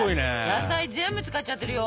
野菜全部使っちゃってるよ。